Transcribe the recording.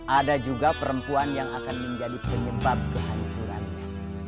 ada juga perempuan yang akan menjadi penyebab kehancurannya